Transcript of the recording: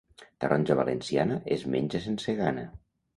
Taronja valenciana es menja sense gana.